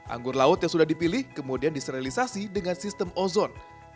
anggur laut yang sudah dipilih kemudian diserilisasi dengan sistem ozon